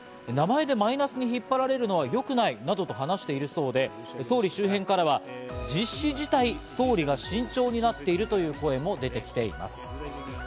名前でマイナスに引っ張られるのは良くないなどと話しているそうで、総理周辺からは実施自体、総理が慎重になっているという声も出てきています。